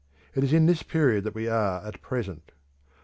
It is in this period that we are at present.